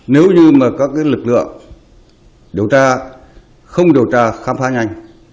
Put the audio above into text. nếu như mà các lực lượng điều tra không điều tra khám phá nhanh